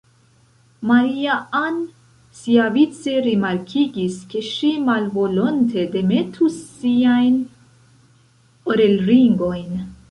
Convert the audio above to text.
Maria-Ann siavice rimarkigis, ke ŝi malvolonte demetus siajn orelringojn.